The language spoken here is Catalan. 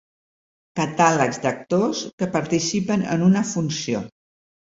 Catàlegs d'actors que participen en una funció.